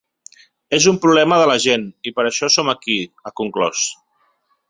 És un problema de la gent i per això som aquí, ha conclòs.